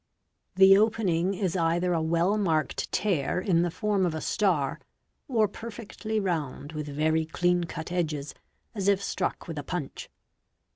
The opening is either a well marked tear in the form of : star, or perfectly round, with very clean cut edges as if struck with @ punch.